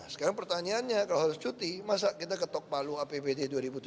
sekarang pertanyaannya kalau harus cuti masa kita ketok palu apbd dua ribu tujuh belas